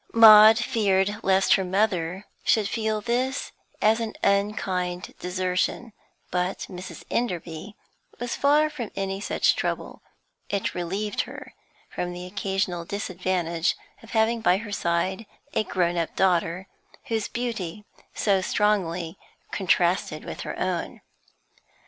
Maud feared lest her mother should feel this as an unkind desertion, but Mrs. Enderby was far from any such trouble; it relieved her from the occasional disadvantage of having by her side a grown up daughter, whose beauty so strongly contrasted with her own.